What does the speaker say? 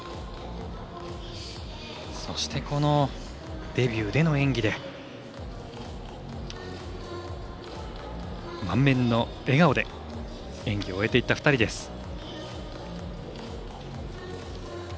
そして、このデビューでの演技で満面の笑顔で演技を終えていった２人です。